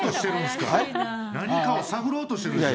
何かを探ろうとしてるんですか。